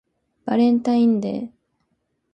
バレンタインデー